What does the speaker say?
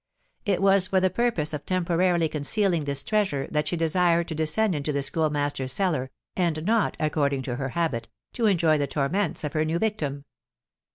It was for the purpose of temporarily concealing this treasure that she desired to descend into the Schoolmaster's cellar, and not, according to her habit, to enjoy the torments of her new victim.